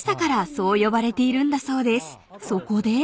［そこで］は。